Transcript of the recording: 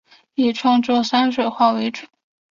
以创作山水画为主。